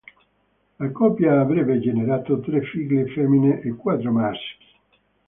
La coppia avrebbe generato tre figlie femmine e quattro maschi.